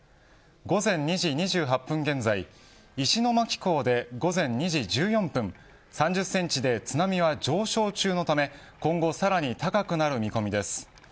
午前２時２８分現在石巻港で午前２時１４分３０センチで津波は上昇中のため今後さらに高くなる見込みです。